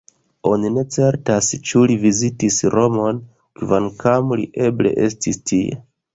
Oni ne certas ĉu li vizitis Romon, kvankam li eble estis tie.